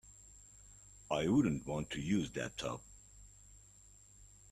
I wouldn't want to use that tub.